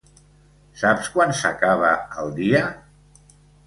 Saps quan s'acaba el dia?